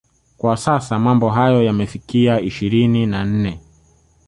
Kwa sasa mambo hayo yamefikia ishirini na nne